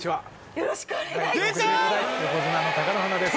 よろしくお願いします！